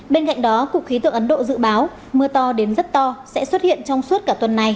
bên cạnh đó cục khí tượng ấn độ dự báo mưa to đến rất to sẽ xuất hiện trong suốt cả tuần này